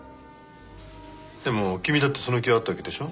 でも君だってその気はあったわけでしょ？